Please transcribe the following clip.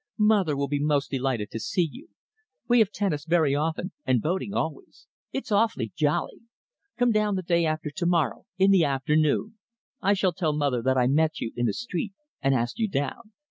"Mother will be most delighted to see you. We have tennis very often, and boating always. It's awfully jolly. Come down the day after to morrow in the afternoon. I shall tell mother that I met you in the street and asked you down.